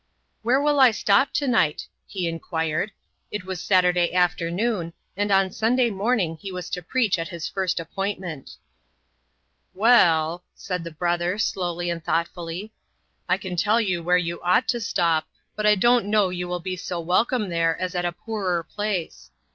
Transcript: "Where will I stop to night?" he inquired. It was Saturday afternoon, and on Sunday morning he was to preach at his first appointment. "Well," said the brother, slowly and thoughtfully, "I can tell you where you ought to stop, but I don't know you will be so welcome there as at a poorer place.